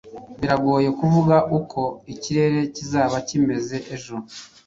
Biragoye kuvuga uko ikirere kizaba kimeze ejo.